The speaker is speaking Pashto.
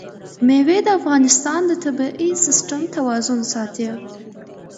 مېوې د افغانستان د طبعي سیسټم توازن ساتي.